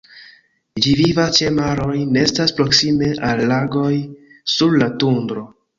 Ĝi vivas ĉe maroj, nestas proksime al lagoj, sur la tundro.